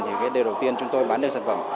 thì đây là đầu tiên chúng tôi bán được sản phẩm